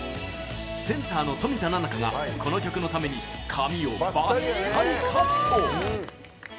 センターの冨田菜々風がこの曲のために髪をばっさりカット。